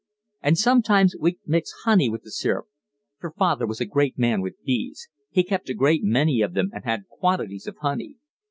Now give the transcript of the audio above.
And sometimes we'd mix honey with the syrup; for father was a great man with bees; he kept a great many of them and had quantities of honey.